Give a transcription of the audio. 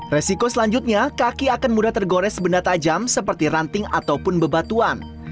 resiko selanjutnya kaki akan mudah tergores benda tajam seperti ranting ataupun bebatuan